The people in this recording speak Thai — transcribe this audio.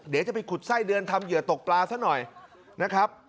เดี๋ยวจะไปขุดไส้เดือนทำเหยื่อตกปลาซะหน่อยนะครับ